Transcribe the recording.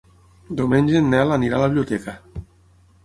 Diumenge en Nel anirà a la biblioteca.